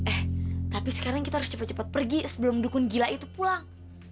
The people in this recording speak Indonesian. eh tapi sekarang kita harus cepat cepat pergi sebelum dukun gila itu pulang